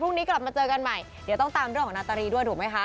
กลับมาเจอกันใหม่เดี๋ยวต้องตามเรื่องของนาตรีด้วยถูกไหมคะ